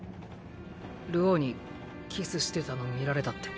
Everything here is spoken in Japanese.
流鶯にキスしてたの見られたって。